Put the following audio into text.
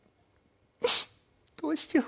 どうしよう？